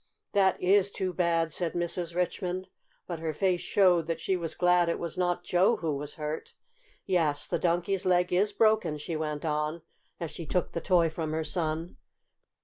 "That is too bad," said Mrs. Richmond, but her face showed that she was glad it was not Joe who was hurt. "Yes, the Donkey's leg is broken," she went on, as she took the toy from her son.